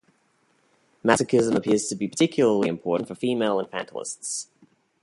Masochism appears to be particularly important for female infantilists.